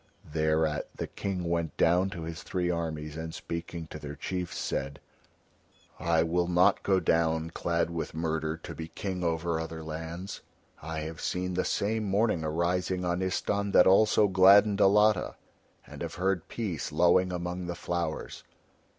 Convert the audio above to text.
Thereat the King went down to his three armies and speaking to their chiefs said: "I will not go down clad with murder to be King over other lands. I have seen the same morning arising on Istahn that also gladdened Alatta, and have heard Peace lowing among the flowers.